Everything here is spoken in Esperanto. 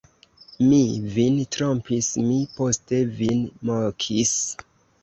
Mi vin trompis, mi poste vin mokis!